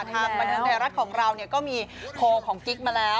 ทางบันเทิงไทยรัฐของเราก็มีโพลของกิ๊กมาแล้ว